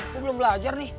gue belum belajar nih